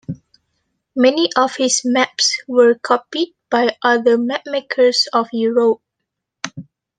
Many of his maps were copied by other mapmakers of Europe.